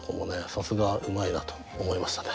さすがうまいなと思いましたね。